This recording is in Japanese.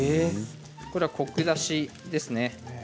これはコク出しですね。